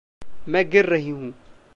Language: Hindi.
मैं गिर रही हूँ।